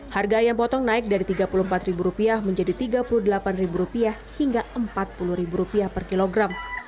harga ayam potong naik dari rp tiga puluh empat menjadi rp tiga puluh delapan hingga rp empat puluh per kilogram